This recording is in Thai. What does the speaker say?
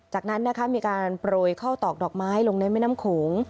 จากนั้นมีการปล่อยข้าวตอกดอกไม้ลงในแม่น้ำโขง